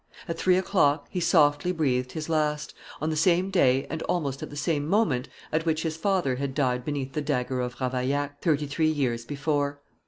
At three o'clock, he softly breathed his last, on the sane day and almost at the same moment at which his father had died beneath the dagger of Ravaillac, thirty three years before.